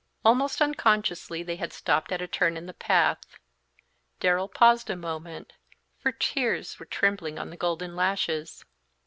Almost unconsciously they had stopped at a turn in the path. Darrell paused a moment, for tears were trembling on the golden lashes.